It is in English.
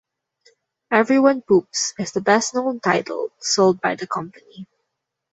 "Everyone Poops" is the best-known title sold by the company.